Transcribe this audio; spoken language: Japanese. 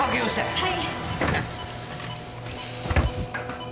はい。